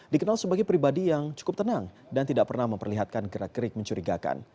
dikenal sebagai pribadi yang cukup tenang dan tidak pernah memperlihatkan gerak gerik mencurigakan